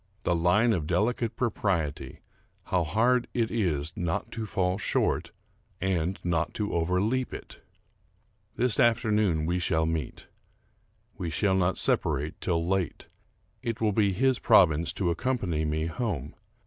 The line of delicate propriety, — how hard it is not to fall short, and not to overleap it ! This afternoon we shall meet. ... We shall not sepa rate till late. It will be his province to accompany me home.